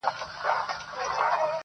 o ستا د لپي په رڼو اوبو کي گراني .